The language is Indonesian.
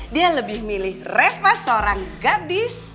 dia lebih milih reva seorang gadis